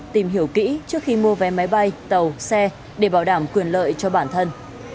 tìm hiểu kỹ trước khi mua vé máy bay tàu xe để bảo đảm quyền lợi cho bản thân